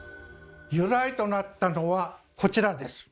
由来となったのはこちらです。